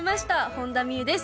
本田望結です。